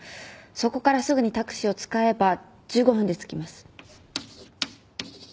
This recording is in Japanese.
そこからすぐにタクシーを使えば１５分で着きます。